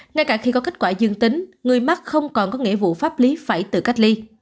ngay cả khi có kết quả dương tính người mắc không còn có nghĩa vụ pháp lý phải tự cách ly